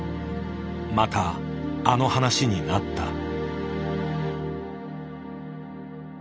またあの話になった。